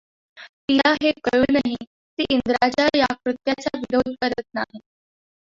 तिला हे कळूनही ती इंद्राच्या या कृत्याचा विरोध करत नाही.